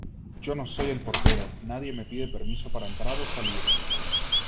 yo no soy el portero . nadie me pide permiso para entrar o salir .